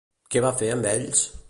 Què va fer amb ells?